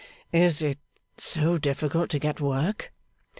'Is it so difficult to get work?